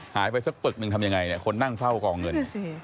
หายไปสักปึกหนึ่งทำยังไงเนี่ยคนนั่งเฝ้ากองเงิน